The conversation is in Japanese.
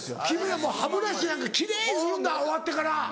君らもう歯ブラシなんか奇麗にするんだ終わってから。